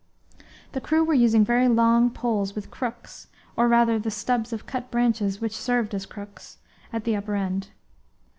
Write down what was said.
The crew were using very long poles, with crooks, or rather the stubs of cut branches which served as crooks, at the upper end.